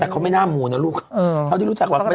แต่เขาไม่น่ามูลนะลูกเขาที่รู้จักว่าไม่ปฏิเสธ